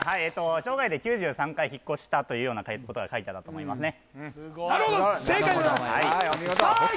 生涯で９３回引っ越したみたいなことが書いてあったと思いますね。